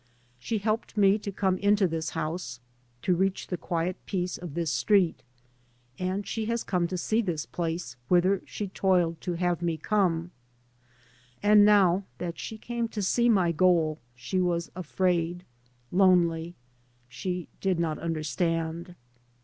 She helped me to come into this house, to reach the quiet peace of this street. And she has come to see this place whither she toiled to have me come; and now that she came to see my goal she was afraid, lonely. She did not understand.